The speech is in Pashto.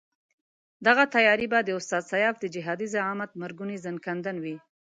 دغه تیاري به د استاد سیاف د جهادي زعامت مرګوني ځنکندن وي.